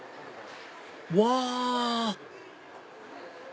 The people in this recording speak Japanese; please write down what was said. うわ！